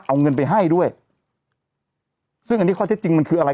เอาเงินไปให้ด้วยซึ่งอันนี้ข้อเท็จจริงมันคืออะไร